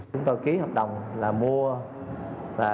chúng tôi ký hợp đồng là mua